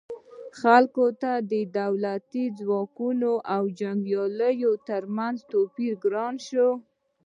خلکو ته د دولتي ځواکونو او جنګیالیو ترمنځ توپیر ګران شو.